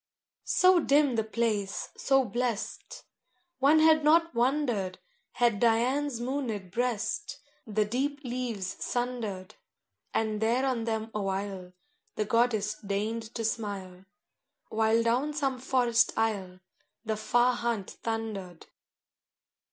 IV So dim the place, so blest. One had not wondered Had Dian's moonéd breast The deep leaves sundered, And there on them awhile The goddess deigned to smile. While down some forest aisle The far hunt thundered.